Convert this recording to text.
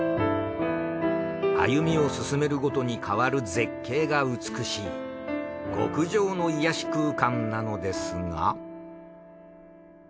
歩みを進めるごとに変わる絶景が美しい極上の癒やし空間なのですが。